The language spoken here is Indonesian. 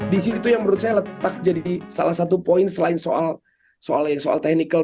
disitu yang menurut saya letak jadi salah satu poin selain soal soal yang soal teknikal